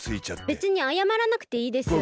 べつにあやまらなくていいです。